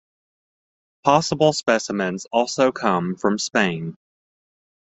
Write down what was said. Possible specimens also come from Spain.